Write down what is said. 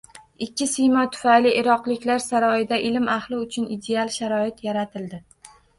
Ikki siymo tufayli Iroqiylar saroyida ilm ahli uchun ideal sharoit yaratildi